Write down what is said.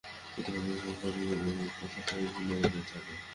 ইতিমধ্যে যতক্ষণ পারি ওই কথাটাই ভুলে থাকতে চাই।